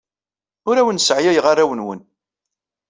Ur awen-sseɛyayeɣ arraw-nwen.